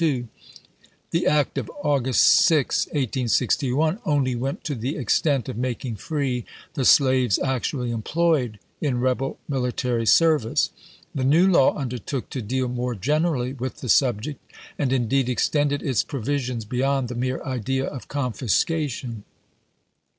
The act of August 6, 1861, only went to the extent of making free the slaves actually employed in rebel military service. The new law undertook to isei deal more generally with the subject, and indeed extended its provisions beyond the mere idea of confiscation.